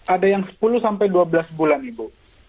ada yang sepuluh sampai dua belas bulan ibu